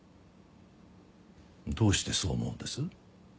どうしてそう思うんです？